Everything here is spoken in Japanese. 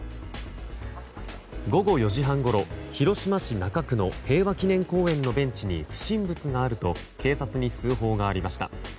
午後４時半ごろ、広島市中区の平和記念公園のベンチに不審物があると警察に通報がありました。